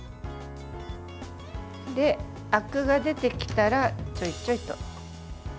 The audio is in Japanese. あくが出てきたらちょいちょいと。